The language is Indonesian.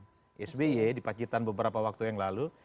mencorkan soal pertemuan prabowo dengan sby di pacitan beberapa waktu yang lalu